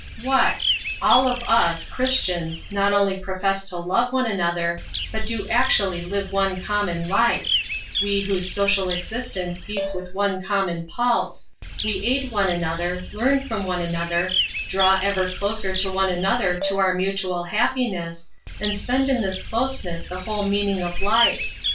What! all of us, Christians, not only profess to love one another, but do actually live one common life; we whose social existence beats with one common pulse we aid one another, learn from one another, draw ever closer to one another to our mutual happiness, and find in this closeness the whole meaning of life!